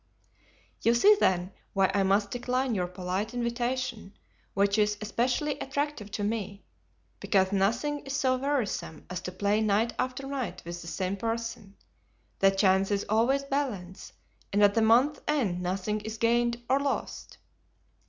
"You see, then, why I must decline your polite invitation, which is especially attractive to me, because nothing is so wearisome as to play night after night with the same person; the chances always balance and at the month's end nothing is gained or lost."